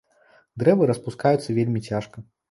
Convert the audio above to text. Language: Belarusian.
Дрэвы распускаюцца вельмі цяжка.